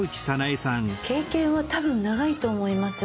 経験は多分長いと思います。